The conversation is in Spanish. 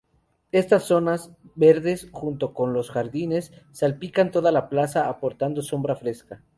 Estas zonas verdes, junto con los jardines, salpican toda la plaza, aportando sombra fresca.